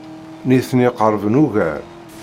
Nitni qerben ugar.